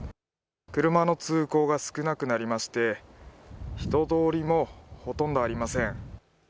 車の通行が少なくなりまして、人通りもほとんどありません。